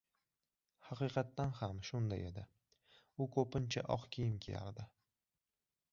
Haqiqatan ham, shunday edi. U ko‘pincha oq kiyim kiyardi.